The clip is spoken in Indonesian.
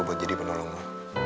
buat jadi penolong lo